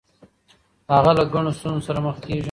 هغه له ګڼو ستونزو سره مخ کیږي.